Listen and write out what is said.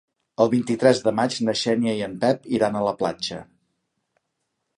El vint-i-tres de maig na Xènia i en Pep iran a la platja.